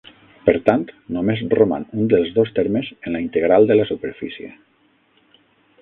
Per tant, només roman un dels dos termes en la integral de la superfície.